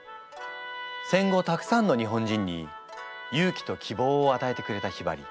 戦後たくさんの日本人に勇気と希望をあたえてくれたひばり。